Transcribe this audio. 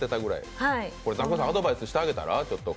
ザコシさん、アドバイスしてあげたら？